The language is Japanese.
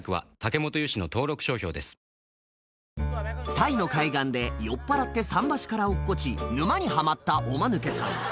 タイの海岸で酔っぱらって桟橋から落っこち沼にはまったおマヌケさん